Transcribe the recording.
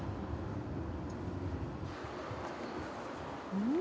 うん？